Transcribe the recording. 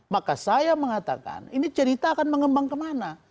maka saya mengatakan ini cerita akan mengembang kemana